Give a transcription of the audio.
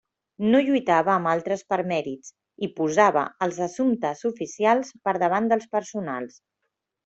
No lluitava amb altres per mèrits, i posava els assumptes oficials per davant dels personals.